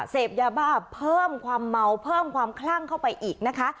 เสพยาบ้าเพิ่มความเมาเพิ่มความคลั่งเข้าไปอีกนะคะ